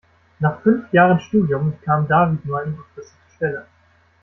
Nach fünf Jahren Studium bekam David nur eine befristete Stelle.